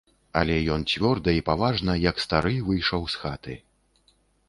Але ён цвёрда і паважна, як стары, выйшаў з хаты.